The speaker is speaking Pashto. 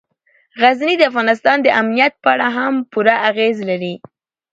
غزني د افغانستان د امنیت په اړه هم پوره اغېز لري.